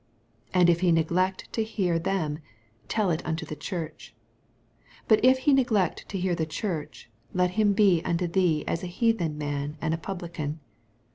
17 And if he ahall neglect to hear them, tell U unto the Church : but if he neglect to hear the Church, let him be unto thee as a heathen man and p Publican.